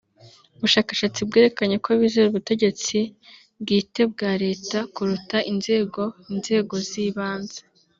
ubushakashatsi bwerekanye ko bizera ubutegetsi bwite bwa Leta kuruta inzego inzego z’ibanze